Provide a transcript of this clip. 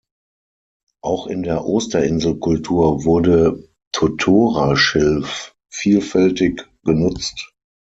Auch in der Osterinsel-Kultur wurde Totora-Schilf vielfältig genutzt.